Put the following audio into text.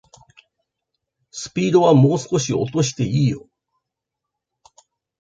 スピードはもう少し落としていいよ